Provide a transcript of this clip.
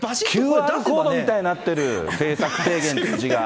ＱＲコードみたいになってる、政策提言って字が。